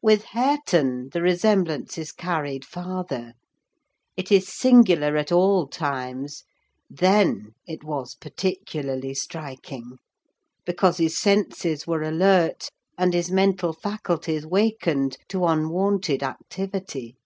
With Hareton the resemblance is carried farther: it is singular at all times, then it was particularly striking; because his senses were alert, and his mental faculties wakened to unwonted activity.